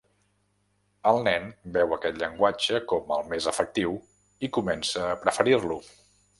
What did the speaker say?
El nen veu aquest llenguatge com el més efectiu i comença a preferir-lo.